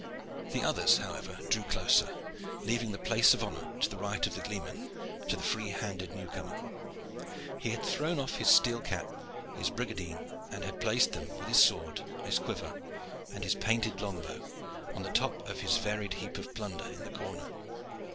The others, however, drew closer, leaving the place of honor to the right of the gleeman to the free handed new comer. He had thrown off his steel cap and his brigandine, and had placed them with his sword, his quiver and his painted long bow, on the top of his varied heap of plunder in the corner.